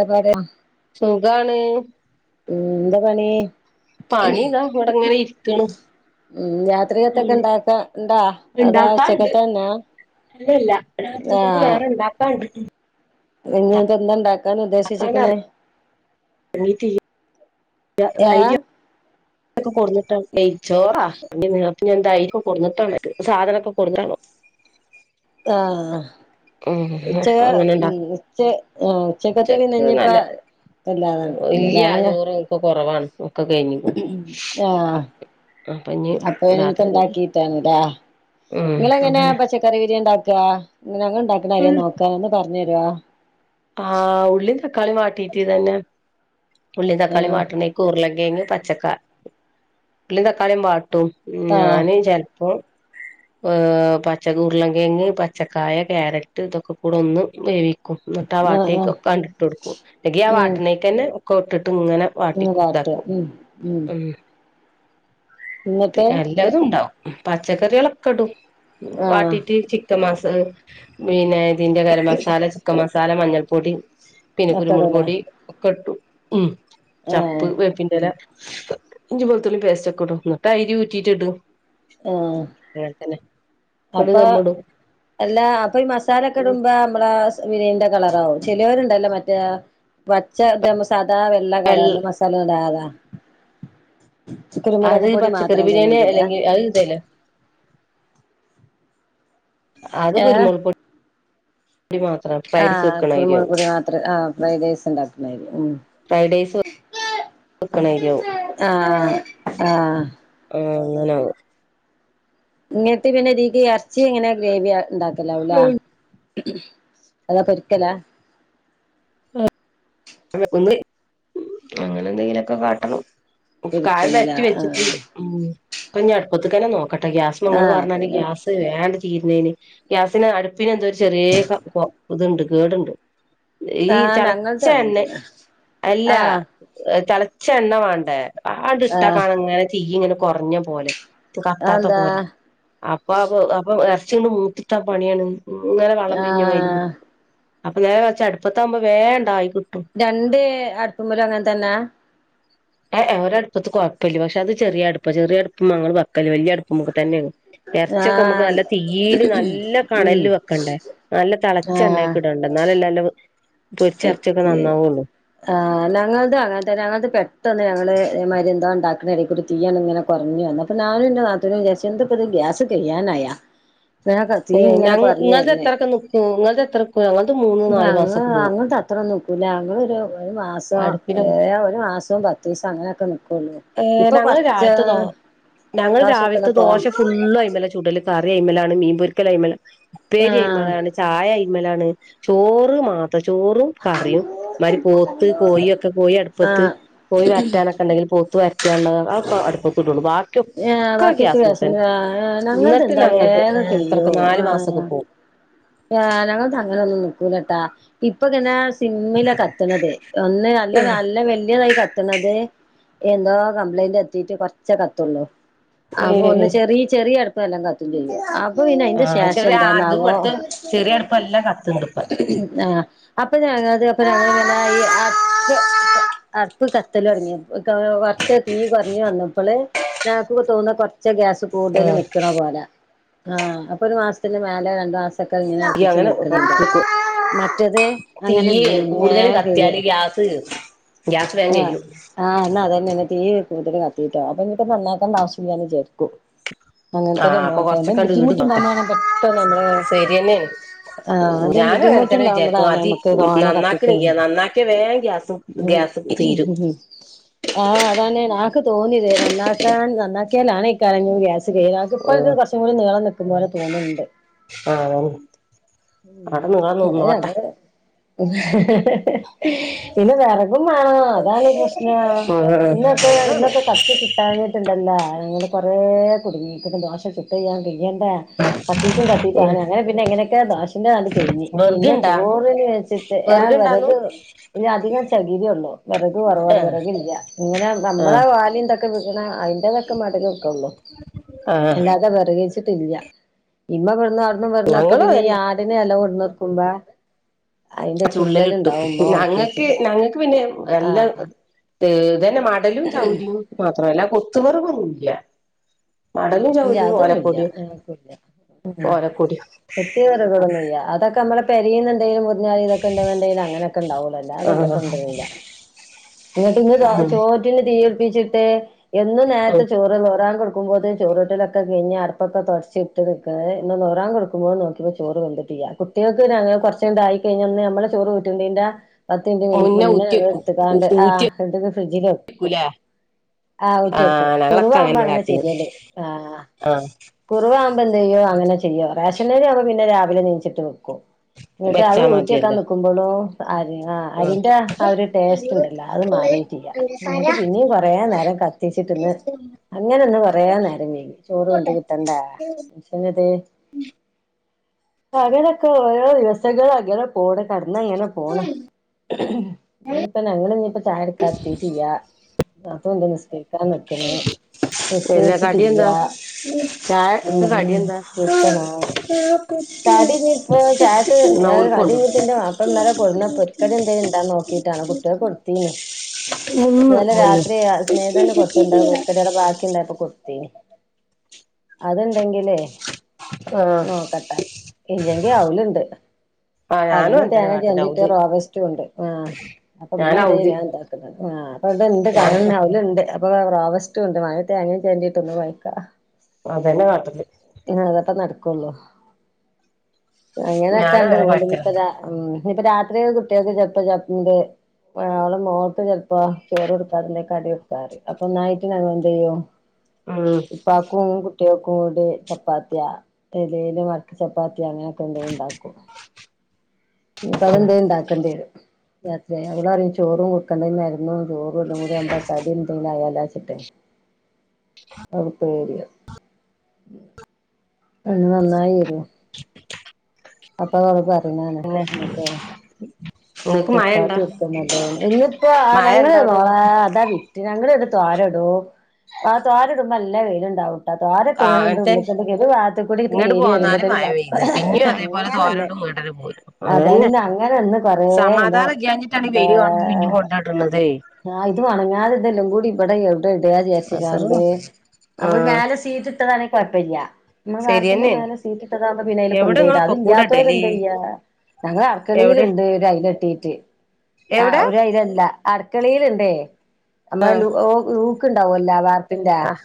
A പടെ യാ സുഖാണ് ഉ എന്താ പണി പണിതാ ഇവിടെങ്ങനെ ഇരിക്കണു ഉം യാത്രികത്തൊക്കെ ഉണ്ടാക്കാ ഉണ്ടാ അതാ ഉച്ചയിൽക്കത്തേത് തന്നെ അല്ല ഇല്ല രാത്രി ത്തേക്ക് വേറെ ഉണ്ടാക്കാൻ ഉണ്ട് ഉം നിങ്ങന്തണ്ടാക്ക എന്താണ് ഉദ്ദേശിച്ചേക്കുന്നേ എറങ്ങീട്ടില്ല യാ തൊക്കെ കൊടുന്ന്ട്ടാണം നെയ്‌ച്ചോറാ [unintelligible] അപ്പൊ ഞാ തൈരും കൊടുന്നിട്ടാണ് സാധനൊക്കെ കൊടുന്നാവോ ആഹ് ഉം ഉച്ച അപ്പൊ അങ്ങനെ ഇണ്ടാക്കും ഉച്ച ഉച്ചക്കത്തേക്ക് ഉച്ചക്ക് ഇന്നി നല്ല ഇപ്പം അല്ലാത [unintelligible] ഇല്ല ചോറ് ഒക്കെ കൊറവാണ് ഒക്കെ കഴിഞ്ഞ്ക്ക്ണ് ആഹ് അപ്പൊ ഇഞ്ഞ് അപ്പൊ ഇന്ത്‌ രാത്രികക്ക് ഉണ്ടാക്കി എന്താ ഉം നിങ്ങള് എങ്ങനെയാ അങ്ങനെ പച്ചക്കറി വിരിയാൻ ഉണ്ടാക്കുക ഞങ്ങ ഉണ്ടാക്കണ അറിയോ നോക്കാനന്ന് ഒന്നുപറഞ്ഞു തരുവാ ആഹ് ഉള്ളീം തക്കാളീം വാട്ടീട്ട് ഇതന്നെ ഉള്ളീംതക്കാളി ആഹ് വാട്ടണ ഉരുളങ്കിഴങ്ങ് പച്ചക്കാ ഉള്ളി തക്കാളിയും വാട്ടും ആഹ് ഞാന് ചെലപ്പോ പച്ച ഉരുളകിഴങ്ങ് പച്ചക്കായ ക്യാരറ്റ് ഇതൊക്കെ കൂടെ ഒന്ന് വേവി കൊണ്ടു ആഹ് ആഹ് വന്നിട്ടവാട്ടിലേക്കൊക്കെ ഇട്ട് കൊടുക്കും അല്ലങ്കി ആ ഉം വാട്ടിനേക്ക തന്നെ ഒക്കെ ഇട്ടിട്ട് ഇങ്ങനെ വാട്ടി ഒന്ന് വാട്ടുക ഇതാകും ഉം ഉം [unintelligible] പി എന്നിട്ട് എല്ലതും ഉണ്ടാവും പച്ചക്കറികളൊക്കെ ഇടും ആഹ് വാട്ടീട്ട് ചിക്കൻ മാസ പിന്നെ ഇതിന്റെ ഗരം മസാല ചിക്കൻ മസാല മഞ്ഞൾപ്പൊടി പിന്നെ കുരുമുളക് ഒക്കെടൂലേ പൊടി ഒക്കെ ഇട്ടു ഉ ആഹ് ചപ്പ് വേപ്പിന്റെ ഇല ഇഞ്ചി വെളുത്തുള്ളി പേസ്റ്റ് ഒക്കെ ഇട്ടു ന്ന തൈര് ഊറ്റിട്ട് ഇടും ആഹ് അയാൾത്തന്നെ. അപ്പൊ, എല്ലാ അപ്പൊ ഈ മസാലക്കെ ഇടുമ്പോ നമ്മള സു ബിരിയാണിന്റെ കളറാവും, ചിലവരുണ്ടല്ലോ മറ്റേ പച്ച സാദാ വെള്ള കളറല്ല മസാല - മസാലടാത അത് കുരുമുളക് പൊടി പച്ചക്കറി മാത്രം ബിരിയാണി തോന്നണ്ട് ഇട അല്ലെങ്കിൽ അത് ഇതേല്ല അത് ഏഹ് കുരുമുൾ പൊടി മാത്രം [unintelligible] ആഹ് കുരുമുളക് വെക്ക്ണയ്രിയാവും. പൊടി ആഹ് ഫ്രൈഡ് റൈസ് ഇണ്ടാക്ക്ണാരി ഉം ഫ്രൈഡ് റൈസ് വെക്കണ മാതിരിയാവും ആഹ് ആഹ് ആഹ് അങ്ങനാവും. ഇങ്ങട്ട് പിന്നെ ഇതീക്ക് എറച്ചി എങ്ങനെ ഗ്രേവി ഉണ്ടാക്കലാവുല്ലേ? അതോ പെരിക്കല? [unintelligible] അങ്ങനെ എന്തെങ്കിലൊക്കെ കാട്ടണം കായം പൊരിക്കലാ പെരട്ടി ആഹ് വെച്ചിട്ടുണ്ട്. ഉമ്മ് ഇപ്പഞ്ഞി അടുപ്പത്ത്ക്ക് തന്നെ നോക്കട്ടെ. ഗ്യാസ് ന്ന് ഇങ്ങള് ആഹ് പറഞ്ഞാതിരി പിന്നെ ഗ്യാസ് [unintelligible] വേണ്ട് തീരുന്നതിന് ഗ്യാസിന് അടുപ്പിന് എന്തോ ഒരു ചെറിയ ഇതുണ്ട് കേടുണ്ട്. ഈ ആഹ് തെളച്ച ഞങ്ങൾതും അങ്ങനെ എണ്ണ, തന്നെ അല്ല ആഹ് തിളച്ച എണ്ണ വേണ്ടേ? ആണ്ട് ഇട്ടാ ആഹ് കാണ ഇങ്ങനെ തീ ഇങ്ങനെ കൊറഞ്ഞ പോലെ. കത്താത്ത അതെന്താ പോലെ. അപ്പൊ അപ്പൊ എറ്ച്ചി [unintelligible] മൂത്ത്ട്ടാ പണിയാണ്. ഇങ്ങനെ വള്ളം പിരിഞ്ഞു ആഹ് മായിരിനിക്കും അപ്പൊ നേരെ മറിച്ച് അടുപ്പത്താകുമ്പോ വേണ്ടായി കിട്ടും. രണ്ട് അടുപ്പുമ്മലും അങ്ങൻ തന്നെ? ഏഹ് എ ഒരടുപ്പത് കുഴപ്പില്ല, പക്ഷെ അത് ചെറിയടുപ്പ ചെറിയടുപ്പ്മ്മ ങ്ങങ്ങള് വക്കല്. വലിയ അടുപ്പുമൊക്കെ തന്നെയാണ്. എറിച്ചൊക്കെ നമുക്ക് ആഹ് നല്ല തിയ്യീല് നല്ല ഉം കണല് വെക്കണ്ടേ? നല്ല തള- ചെന്നക്ക് ഇടണ്ടേ എന്നാലല്ലേ നല്ല വ് എത്യേ ആഹ് ഞങ്ങള്ത് അങ്ങനത്തെന്നെ ഞങ്ങള്ത പെട്ടന്ന് ഞങ്ങള് ഇതേ മാരിയെന്തോ ഉണ്ടാക്ക്ണ ഇടേക്കൂടി തീയണ്ട് ഇങ്ങനെ - കുറഞ്ഞു വന്നു. അപ്പൊ ഞാനും ന്റെ നാത്തൂനും വിചാരിച്ച് എന്തേപ്പത് ഗ്യാസ് കഴിയാനായാ? ഇതിനൊക്കെ തീ ഏ ഇങ്ങനെ കൊറഞ്ഞു നിങ്ങളത് വെര്ണേ. എത്രൊക്കെ നിക്കും നിങ്ങളത് എത്ര നിക്കും ഞങ്ങളത് മൂന്ന് നാല് ഞങ്ങ മാസൊക്കെ പോകും അങ്ങൾ - അത്രൊന്നും നിക്കൂല്ല, ഞങ്ങളൊരു ഒരു മാസം അടുപ്പിന് ഒരു മാസവും പത്ത് ദിവസം അങ്ങനെയൊക്കെനിക്കൊള്ളു. ഏഹ് ഞങ്ങൾ രാവിലത്തെ ദോ ഞങ്ങൾ ദോശ രാവിലത്തെ വെക്കണൊക്കെ ദോശ ഫുള്ള് അയിമ്മലെ ചൂടല്. കറി അയ്‌മ്മലാണ്, മീൻ പൊരിക്കൽ അയ്‌മലാണ്, ഉപ്പേരി ആഹ് അയ്മലാണ്. ചായ അയ്മലാണ്, ചോറ് മാത്രം ചോറും കറിയും ഇമ്മാതിരി പോത്ത്, കോയി ഒക്കെ കോയി അടുപ്പത്ത് ആഹ് കോയി വരറ്റാനൊക്കെ ഉണ്ടെങ്കിൽ പോത്ത് വരട്ടിയാലുള്ളത് ആ ഒക്കെ അടുപ്പത് ഇടോള്ളൂ ബാക്കിയൊക്കെ - ഏഹ് ഇക്ക് ഒക്ക ബാക്കിയൊക്കെ വിയാസന് ഗ്യാസ്മ്മതന്നെ ഏഹ് ഞങ്ങൾത് എന്നിട്ട് എന്താ ഞങ്ങൾത് വേഗം ഇത്രക്ക് കഴിയോ നാലു മാസൊക്കെ ആഹ് പോവും. ആഹ് ഞങ്ങൾത് അങ്ങനൊന്നും നിക്കൂലട്ടാ, ഇപ്പൊങ്ങനെ സിമ്മ്ലൊക്കെ കത്ത്ണതേ ഒന്ന് നല്ല നല്ല വല്യയതായി കത്ത് കത്ത്ണത് എന്തോ കംപ്ലൈന്റ് എത്തിട്ട് കൊറച്ചേ കത്തുള്ളൂ. അപ്പൊ ഒന്ന് ഏഹ് ചെറിയ ചെറിയ അടുപ്പ് നല്ലോം കത്തും ചെയ്യും. അപ്പൊ പിന്നെ അയിന്റെ ആഹ് ശേഷം ചെറിയ അതും എന്താന്നാവോ, അടുത്ത് ചെറിയ അടുപ്പ് നല്ലോം കത്ത്ണ്ട്പ്പോ. ആഹ് അപ്പൊ ഞങ്ങളത് അപ്പൊ [unintelligible] അടുപ്പ് കത്തൽ തുടങ്ങിയപ്പൊ കുറച്ച് തീ കുറഞ്ഞ് വന്നപ്പോള് ഞങ്ങക്ക് തോന്ന കൊറച്ച് ച്ച് ഗ്യാസ് കൂടുതല് ആഹ് നിക്ക്ണ പോലെ. ആഹ് അപ്പൊ ഒരു മാസത്തിന്റെ മേലെ രണ്ട് മാസ- തീയ്യ് അങ്ങനെ [unintelligible] ക്കും. മറ്റത് തീ അങ്ങനെല്ലേനി കൂടുതല് വേം കഴിയും കത്തിയാല് ഗ്യാസ് ഗ്യാസ് വേഗം ആഹ് കയിയും. ആഹ് എന്നാ അതന്നെ തീ കൂടുതൽ കത്തീട്ടാ അപ്പൊ ഇഞ്ഞിപ്പോ നന്നാക്കേണ്ട ആവശ്യില്ലാന്ന് വിചാരിയ്ക്കും. അങ്ങന് ആഹ് അപ്പൊ ത്തെന്നെന്നോട്ടെ എന്തേലും കൊറച്ചൊക്കെണ്ട് ഈട്ന്നോട്ടെ ബുദ്ധിമുട്ട്ണ്ടാവുമ്പോ പെട്ടന്ന് നമ്മള് ശരിയെന്നേണ് ആഹ് അത് ഞാനും അങ്ങനെ തന്നെ വിചാരിക്കും ബുദ്ധിമുട്ട്ണ്ടാകുംമ്പളാണ് നമുക്ക് തോനെ കത്തിച്ച ഇക്ക് വേം ഗ്യാസും. ഉം ആഹ അതന്നെ നാക്ക് തോന്നിയത് നന്നാക്കാൻ നന്നാക്കിയാലാണ് ഇക്കാലഞ്ഞു ഗ്യാസ് കയ്യാ - ഇതിപ്പോ ഇത് ഉം കുർച്ചും കൂടി നീളം നിക്കുന്ന പോല തോന്നുണ്ട് ആഹ് അവിടെ [unintelligible] നിങ്ങള് നിന്നോട്ടെ വെറകും മാണം അതാണ് പ്രശ്നം ഇന്നൊക്കെ ഉം ഇന്നൊക്കെ കത്തി കട്ടാങ്ങിയിട്ടുണ്ടല്ലോ നിങ്ങള് കുറെ കുടുങ്ങിക്കണ്ട് ദോശ ചുട്ട ചെയ്യാൻ കയ്യണ്ടേ കത്തിട്ടും കത്തിട്ടും ഉം ആന അങ്ങനെ പിന്നെ എങ്ങനെയൊക്കെ ദാഷശിന്റെ കഴിഞ് പിന്നെ വെർഗുണ്ടാ ചോറിന്ന് വച്ച ആഹ് വെർഗുണ്ടാന്നു വിറക് ഇനി അധികം ചെകരിയെ ഉള്ളു വിറക് കുറവാണ് ഏഹ് വിറക ഇല്ല ഇങ്ങനെ നമ്മള ആഹ് ആ വാലി ന്തൊക്കെ വിക്കണ അതി തൊക്കെ മട വെക്കള്ളൂ ആഹ് അല്ലാതെ വെറ കിച്ചിട്ടില്ല ഇമ്മ ഇവ്ട്ന്നും അവിടന്ന് വെറുന്നൊക്കെ ഞങ്ങളും പിന്നെ ഈ അതന്നെ ആടിനെ എല കൊടന്ന്ക്കുമ്പോ ചുള്ളലിട്ടും ഞങ്ങക്ക് വെച്ചത് ഞങ്ങക്ക് പിന്നെ നല്ല ആഹ് ഇതന്നെ മടലും ചൗര്യും മാത്രമല്ല കൊത്തു വിറക് ഒന്നുംല്ല മടലും ഇല്ല ജൗരി അതൊന്നുല്ല ഓലക്കൊടി ഞങ്ങക്കില്ല ഉം ഓലക്കൊടി [unintelligible] അതൊക്കെ നമ്മെ പെരെന്ന് എന്തേലും മു [unintelligible] ഇതൊകെണ്ട്ന്ന്ണ്ടെങ്കി അങ്ങനൊക്കെണ്ടാവൊള്ളൂ അല്ലാതെന്നെ ആഹ് കൊണ്ടോവൂല. എങ്ങിട്ട് ഇന്ന് ഉം ചോറ്റിന് തീ പിടിച്ചിട്ട് എന്നും ഉം നേരത്തെ ചോറ്ല്ല ളുഹർ ബാങ്ക് കൊടുക്കുമ്പോ ചോറ വട്ടിലൊക്കെ കഴിഞ് അടുപോക്കെ തുടച്ചിട്ട് കെ ളുഹർ ബാങ്ക് കൊടുക്കുമ്പോ നോക്കി ചോറ് വെന്തിട്ടില്ല [unintelligible] കൊർച്ചൊന്ന്ആയി കഴിഞ്ഞാൽ നമ്മളെ ചോറ് ഊറ്റുന്നതിന് പത്ത് മിൻറ്റ് മുന്നേ എട്ത്ത്കാണ്ട് ആഹ് [unintelligible] ഫ്രിഡ്ജിൽ വെക്കും ഊറ്റിയെക്കൂലേ ആഹ് ഊറ്റ്യക്കും കുറവാകുമ്പോ അങ്ങനെ ചെയ്യല് ആഹ്. ആഹ് കുറവാവുമ്പ എന്ത് ചെയ്യോ അങ്ങനെ ചെയ്യ റേഷൻ അരി പിന്നെ രാവിലെ നീച്ചിട്ട് വെക്കും എന്നിട്ട് അത് വെച്ചാ ഊറ്റിയൊക്കാ മതിയല്ലോ നിക്കുമ്പോഴും അഹ് ആഹ് ഉം അരിന്റെ ആഹ് ഒരു ടേസ്റ്റ് ണ്ടല്ല അത് മാറിട്ടില്ല എങ്ങിട്ട് പിന്നെയും കൊറെ നേരം കത്തിച്ചിട്ട്ന്ന് അങ്ങനെ ഒന്ന് പറയാൻന്നേരം വൈകി ചോറും ഇതും കിട്ടണ്ടേ. [unintelligible] അങ്ങനെ ഒക്കെ ഓരോ ദിവസങ്ങൾ പോട് കടന്നങ്ങനെ പോണ്. ഇപ്പൊ ഞങ്ങൾ ഞ്ഞി ഇപ്പ ചായ എടുക്കാത്തീട്ടില്ല നാത്തൂൻ ണ്ട് നിസ് ക്കൻ നിക്ക്ന്ന് എല്ലാ കടി നിസ്കെര്ച്ചിട്ടില്ല എന്താ ചായക്ക് കടി എന്താ [unintelligible] കടിഞ്ഞിപ്പ ചായക്ക് ന്നാ എന്ത ഓൽക്ക് കൊണ്ടൊടുക്ക് കടിഞ്ഞിപ്പിന്റെ മാപ്പള എന്നല്ല കൊന്നപ്പും [unintelligible] എന്തേ ഉണ്ടന്ന് നോക്കിട്ടാണ് കുട്ടികെ കൊടുത്തീനെ മുന്ന് ഇല്ല മുന്ന് രാത്രി സ്നേഹിതന്നെ കൊ [unintelligible] ബാക്കി ഉണ്ടായിപ്പൊ കൊട്ത്തിനി അത്ണ്ടെങ്കിലേ ആഹ് ‌ നോക്കണ്ടാ ഇല്ലെങ്കി അവ്‌ല്ണ്ട്. ആഹ് ഞാനും അതന്നെ അങ്ങൻതന്നെ തേങ്ങ കാട്ടല് ചര്ണ്ടിട്ട് ഔല് റോബസ്റ്റും ണ്ട് ആഹ് അപ്പൊ ഉമ്മ ഞാന് എന്ത ഔല് ഞാൻ എന്താക്കുന്നത് ആ അപ്പ അണ്ട് ഞാൻ കാണ അവലണ്ട് [unintelligible] റോബസ്റ്റ് ഉണ്ട് മഴ തേങ്ങം ചോരണ്ടീട്ട് ട്ടൊന്ന് വഴിക്ക അതന്നെ കാട്ടൽ അതപ്പ നടക്കള്ളൂ ഞാനും അങ്ങനെട്ടാണ്ട് അങ്ങനെ [unintelligible] കാട്ടല്ണ്ട് ഇപ്പതാ ഉമ് ഇപ്പ രാത്രിയ കുട്ടിക്ക് [unintelligible] ഇണ്ട് ആ ഓളെ മോക്ക് ചെൽപ്പോ ചോറ് കൊടുക്കാതെതേം കടിട്ക്കാറിം അപ്പൊ ന്നായിട്ട് ഞങ്ങന്തെയ്യും ഉം ഇപ്പാക്കും കുട്ട്യാക്കുംടി ചപ്പാത്ത്യാ എലേല് മട്കി ചപ്പാത്ത്യേ അങ്ങനൊകെന്തേലും ഇണ്ടാക്കും ഇനിപ്പം അതെന്തേലും ഇണ്ടാക്കേണ്ട്യരും. ഓൾ പറയും ചോറും കൊടുക്കണ്ട [unintelligible] ചോറും എല്ലാം കൂടി [unintelligible] തടി എന്തെങ്കി അയാലച്ചിട്ട് [unintelligible] [unintelligible] നന്നായിവരും. അപ്പ അവള് പറയണാണ് നമ്മക്ക് ഓൽക്ക് മയ [unintelligible] ഇന്നിപ്പോ ഞങ്ങള് മഴണ്ടോ മോളെ അവിടെക്കെ അതാ വി ഞങ്ങൾ ട് തോര ഇടും ആഹ് തോര ഇടുമ്പോ നല്ല വെയിൽ ഇണ്ടാവും അഥവാലെ ആഹ് [unintelligible] അങ്ങൻത്തന്നെ ഒര് പാത്ത് കൂടിങ്ങ്ട്ട് ഇങ്ങട്ട് കേറി പോന്നാല് വരുംപോത്തിന് മഴ പെയ്ത് പിന്നിം അതേപോലെ അങ്ങനെന്നെ. തോരടും ഇങ്ങട്ടന്നെ പോരും അതന്നെ അതന്നാ അങ്ങനെന്ന് കൊറേ ഇത് [unintelligible] പിന്നെ കൊണ്ടോട്ടുള്ളതേ ആ ഇത് ഉണങ്ങാതെ ഇതെല്ലാം കൂടി ഇപടെ എവ്ടെ ഇടാ അസറ് ജർച്ചിക്കാണ്ട് അപ്പൊ ആഹ് മേലെ സ് ചെയ്തിട്ടതാണെ കൊഴപ്പില്ല [unintelligible] ശരിയെന്നേണ് മേലെ സീറ്റിട്ടതാണെ പിന്നയിനെ എവിടെ കൊണ്ടൊയിട ഇങ്ങളൊക്കെ കൂടെ അതില്ലാത്തവര് ഇടല് എന്തെയ്യാ ഞങ്ങളെ എവിടെ ആട്ക്കളില്ണ്ട്. ഒരു ടൈയില് കെട്ടീട്ട് ആഹ് എവിടെ ഒരു അയിലല്ല അടുക്കളിയില് ഇണ്ടേ നമ്മള്ലു ഓ ലൂക്ക് ഉണ്ടാവല്ലോ വാർ കിൻ്റെ ആഹ്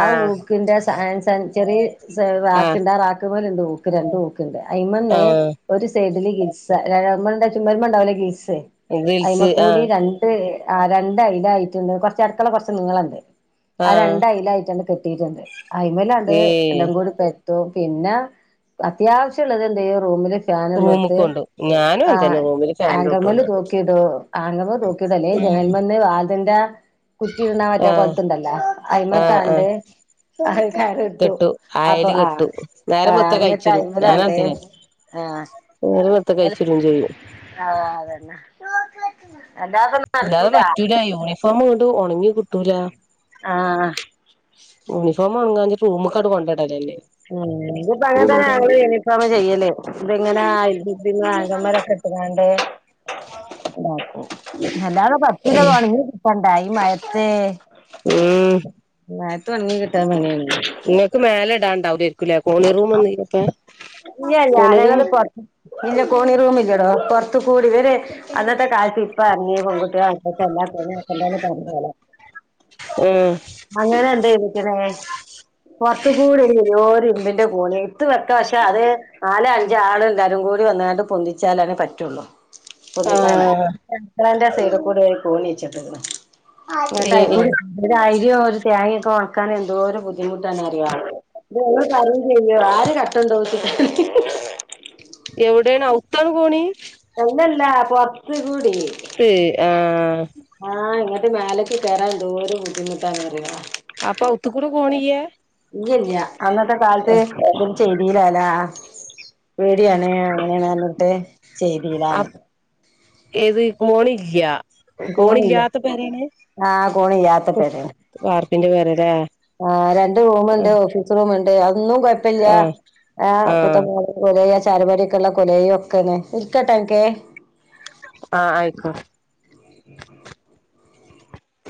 ആ ഊക്കിന്റെ സൺ ഷൈൻ ചെറിയ സ് ആഹ് റാക്കിന്റ് ആറക്കിൻ്റെ ഇത് പോലെണ്ട് ഹൂക്ക് രണ്ട് ഹൂക്ക്ണ്ട് അയിമെന്ന് ആഹ് ഒരു സൈഡില് ഗിൽസ നമ്മൾടെ ചുമര്ന്മേണ്ടാവൂലെ ഗിൽസ് ഗിൽസ് ആയിമകൂടി ആഹ് രണ്ടു തെയ് ആ രണ്ടയ്ല്ലറ്റുണ്ട് കൊറച്ച് അടുക്കള നീളംഉണ്ട് ആ ആഹ് രണ്ടയയില്ലാട്ടു കെട്ടീയിട്ടുണ്ട് അയമേലത് ഏഹ് എല്ലാം കൂടെ പെ പിന്ന അത്യാവശ്യമുള്ളത് എന്തേലും റൂമില് റൂമ്ക്ക് ഫാനുള്ളടിത്ത് കൊണ്ടോവും ഞാനും ആഹ് അങ്ങൻതന്നെ റൂമില് ഫാനിന്റെ ഹാങ്കർ മേൽ ചോട്ടിലൊണ്ടോയിടും തൂക്കിടു ആണിമേൽ തൂക്കി ത് ല്ലേ ഉം ജനൽമന്ന് വാതിന്റെ കുറ്റി ഇടുന്ന മറ്റാ ആഹ് കൊളുതുണ്ടല്ലോ ആഹ് ആഹ് അയി്മക്കാണ്ട് തൽകാലം ഇട്ടു കെട്ടു അപ്പൊ അയല് ആഹ് കെട്ടു നേരം ആഹ് വെളുത്ത കഴിച്ചിടും ഞാനും അന്നട്ടയിമലാണ്ടേ അങ്ങൻതന്നെ ആഹാ നേരം വെളുത്ത ന്ന രെ കഴിച്ചിടും ചെയ്യും അതന്നെ അല്ലാപൊരു ഇല്ലാതെ പറ്റൂല യൂണിഫോമ് ഇടൂ ഒണങ്ങി കിട്ടൂല ആഹ് യൂണിഫോ മൊണങ്ങാഞിട്ട് റൂമ്കണ്ട് കൊണ്ട് ഇടലല്ലേ. ഉും ഇജ്ഞിപ്പ അങ്ങനെ തന്നേ ഞങ്ങള് യൂണിഫോം ചെയ്യല്ല് ഇത്ങ്ങനെ ആങ്ങന്മാലോക്കെ അലാണ്ട് അല്ലാതെ പത്ത്കിലോവേണെങ്കി കൊണ്ടായി മയത്ത് [inaudible] നേരത്തെ ഒണങ്ങി കിട്ടാൻ [unintelligible] നിക്ക് മേലെ ഇടാണ്ട് അവിടെ ഇ രിക്കുലേ കോണി റൂം ഒന്നും ഇരിപ്പെ ഇല്ലല്ല കോണി അല്ലേലും പുറത്ത് കോണി റൂം ഇല്ലടോ പൊറ തുകൂടി വരെ അന്നത്തെ കാല്ത്ത് ഇപ്പ യറ്ങ്ങിയ പൊങ്കുട്ടിയണ്. പ്പ ക്കെഎല്ലാം പെണ്ണ് കെട്ടണ്ട ന്ന് പറിണകലാണ്. ആഹ് അങ്ങനെണ്ട് വിളിക്കിനെ പുറത്ത്കൂടെ ഒരുവല്യോര് ഇരുമ്പിന്റെ കോണി ഇട്ത്ത് വെക്കാം പക്ഷെ അത് നാല് അഞ്ച് ആള് എല്ലാരും കൂടി വന്നായിട്ട് പൊന്തിച്ചാലനേ പറ്റുള്ളൂ പൊന്തിക്കാന് ആഹ് ത്രന്റെസൈഡിൽ കൂടി ഒരു കോണി വച്ചിട്ടുണ്ട് എന്നിട്ട്അതിൽ ഏഹ് കൂടി ഒരു ആയിരോ ഒരുതേങ്ങക്കെ ഒണക്കാൻ എന്തോര് ബുദ്ധിമുട്ടാണ് അറിയോ? ഞങ്ങള് പറയുംചെയ്യോ ആര് കട്ടോണ്ടോവും [inaudible] എവിടെ ആണ് അവ്ത്താണ് കോണി അല്ലല്ല പോർത്ത് കൂടി പ്പ് ആഹ് ആഹ് ഇങ്ങട്ട് മേലേക്ക് കേറാൻ എന്തോര് ബുദ്ധിമുട്ടാന്നറിയോ? അപ്പൊ അകത്തു കൂടെ കോണി ഇല്ലേ ഇല്ലല്യ അന്നത്തെ കാലത്ത് ചെയ്തിലാ ല്ലാ പേടിയാണ്. അങ്ങനെയഞ്ട്ട് ചെയ്തിലാന്ന്. അപ് ഏത് കോണില്ല്യ കോണില്ല കോണില്ലാത്ത പെരേണ് ആഹ് കോണില്ലാത്ത പാർപ്പിന്റെ പെരല്ലേ ആഹാ രണ്ട് റൂമ്ണ്ട് ആഹ് ഓഫീസ് റൂമ്ണ്ട് അതൊന്നും കുഴപ്പല്ല്യാ ആഹ് ആഹ് കൊലയ ചാരുപടിക്കെള്ള കൊലയൊക്കെണേ നിൽക്കട്ടെക്കെ ആഹ് ആയിക്കോ